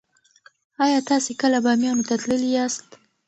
ایا تاسې کله بامیانو ته تللي یاست؟